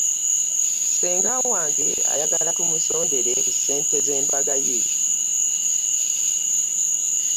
Senga wange ayagala tumusondere ku ssente z'embagga ye.